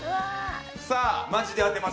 マジで当てます